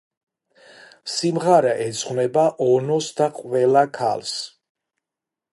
სიმღერა ეძღვნება ონოს და ყველა ქალს.